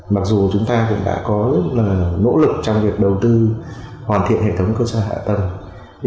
mặc dù chúng ta cũng đã có nỗ lực trong việc đầu tư hoàn thiện hệ thống cơ sở hạ tầng